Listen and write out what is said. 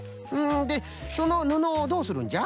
でそのぬのをどうするんじゃ？